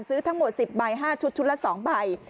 ซื้อทั้งหมด๑๐ใบ๕ชุดชุดละ๒ใบ